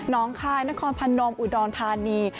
ค่ายนครพนมอุดรธานี